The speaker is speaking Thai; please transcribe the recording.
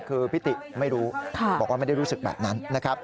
คือพิติไม่รู้บอกว่าไม่ได้รู้สึกแบบนั้นนะครับ